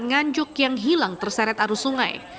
nganjuk yang hilang terseret arus sungai